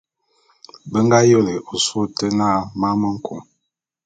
Be nga yôle ôsôé ôte na Man me nku.